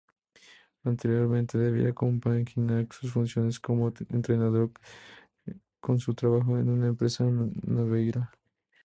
Anteriormente debía compaginar sus funciones como entrenador con su trabajo en una empresa naviera.